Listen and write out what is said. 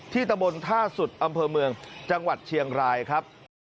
ตะบนท่าสุดอำเภอเมืองจังหวัดเชียงรายครับ